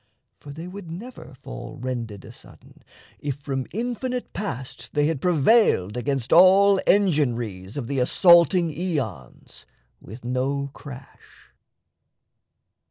for they would never fall Rended asudden, if from infinite Past They had prevailed against all engin'ries Of the assaulting aeons, with no crash.